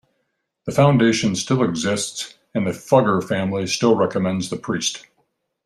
The foundation still exists and the Fugger family still recommends the priest.